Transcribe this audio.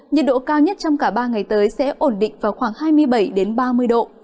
nhiệt độ cao nhất trong cả ba ngày tới sẽ ổn định vào khoảng hai mươi bảy ba mươi độ